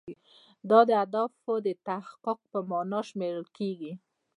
دا د اهدافو د تحقق په معنا شمیرل کیږي.